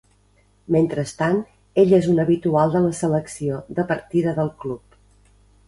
Mentrestant ell és un habitual de la selecció de partida del club.